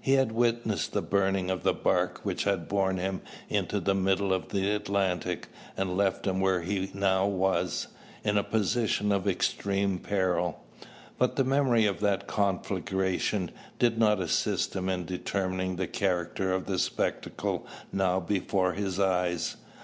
He had witnessed the burning of the bark which had borne him into the middle of the Atlantic, and left him where he now was, in a position of extremest peril. But the memory of that conflagration did not assist him in determining the character of the spectacle now before his eyes.